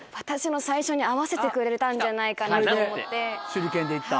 手裏剣でいった。